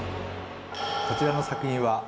こちらの作品は。